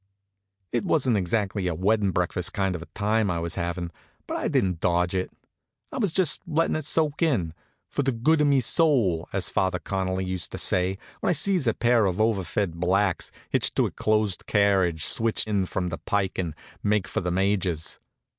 It wasn't exactly a weddin' breakfast kind of a time I was havin'; but I didn't dodge it. I was just lettin' it soak in, "for the good of me soul," as Father Connolly used to say, when I sees a pair of everfed blacks, hitched to a closed carriage, switch in from the pike and make for the Major's.